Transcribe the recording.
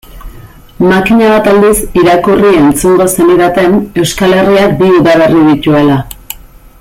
Makina bat aldiz irakurri-entzungo zenidaten Euskal Herriak bi udaberri dituela.